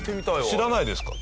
知らないですか？